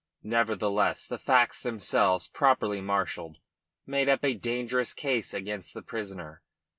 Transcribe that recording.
Nevertheless the facts themselves, properly marshalled, made up a dangerous case against the prisoner.